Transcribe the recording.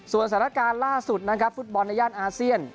สถานการณ์ล่าสุดนะครับฟุตบอลในย่านอาเซียน